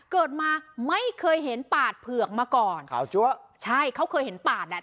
เกิดมาไม่เคยเห็นปาดเผือกมาก่อนขาวจั๊วใช่เขาเคยเห็นปาดแหละ